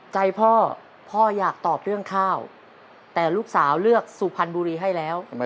ใจพ่อพ่ออยากตอบเรื่องข้าวแต่ลูกสาวเลือกสุพรรณบุรีให้แล้ว